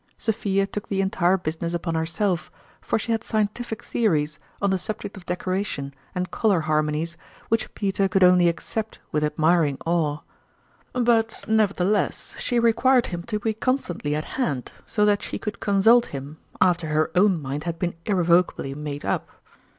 Sophia took the entire busi ness upon herself, for she had scientific theo St'conb Clique. 49 ries on the subject of decoration and color har monies which Peter could only accept with admiring awe ; but, nevertheless, she required him to be constantly at hand, so that she could consult him after her own mind had been ir revocably made up.